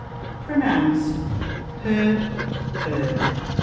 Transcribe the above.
Pronounce Herb, 'Erb.